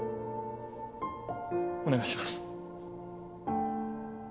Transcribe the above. お願いします。